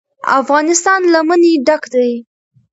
افغانستان له منی ډک دی.